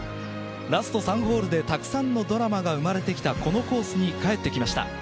ラスト３ホールでたくさんのドラマが生まれてきたこのコースに帰ってきました。